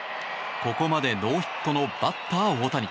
ここまでノーヒットのバッター大谷。